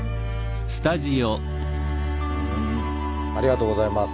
ありがとうございます。